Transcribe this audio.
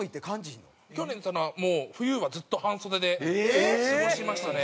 去年もう冬はずっと半袖で過ごしましたね。